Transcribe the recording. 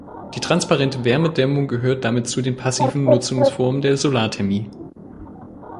Die transparente Wärmedämmung gehört damit zu den passiven Nutzungsformen der Solarthermie.